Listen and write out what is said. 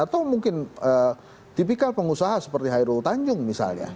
atau mungkin tipikal pengusaha seperti hairul tanjung misalnya